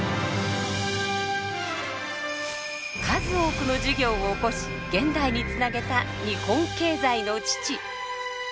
数多くの事業をおこし現代につなげた日本経済の父。